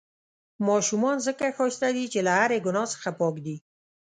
ماشومان ځڪه ښايسته دي، چې له هرې ګناه څخه پاک دي.